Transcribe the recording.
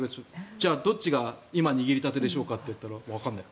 じゃあどっちが今握りたてでしょうかといったらわからない。